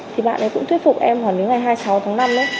thì bạn ấy cũng thuyết phục em khoảng đến ngày hai mươi sáu tháng năm ấy